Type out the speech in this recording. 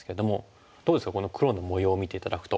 どうですかこの黒の模様を見て頂くと。